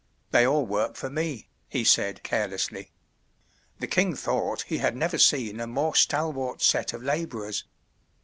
"They all work for me," he said carelessly. The king thought he had never seen a more stalwart set of laborers.